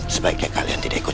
sebaiknya kalian tidak ikut